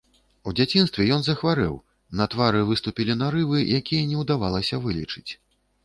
У дзяцінстве ён захварэў, на твары выступілі нарывы, якія не ўдавалася вылечыць.